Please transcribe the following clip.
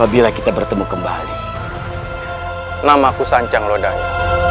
bila kita bertemu kembali nama aku sancang lodanya